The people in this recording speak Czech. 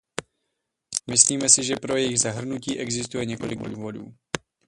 Myslíme si, že pro jejich zahrnutí existuje několik důvodů.